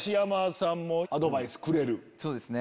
そうですね。